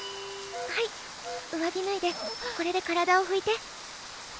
はい上着ぬいでこれで体をふいて。